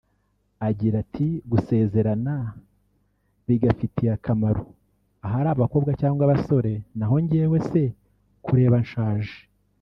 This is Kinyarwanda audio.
Agira ati “(gusezerana) bigafitiye (akamaro) ahari abakobwa cyangwa abasore naho njyewe se kureba nshaje